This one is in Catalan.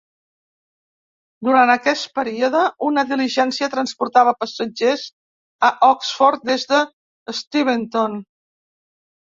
Durant aquesta període, una diligència transportava passatgers a Oxford des d'Steventon.